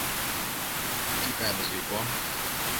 Τι κάνεις λοιπόν;